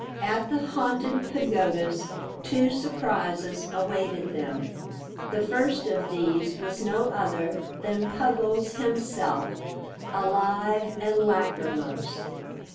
At the Haunted Pagodas two surprises awaited them. The first of these was no other than Puggles himself, alive and lachrymose.